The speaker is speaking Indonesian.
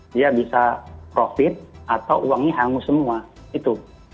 dia bisa profit atau uangnya hangus semua itu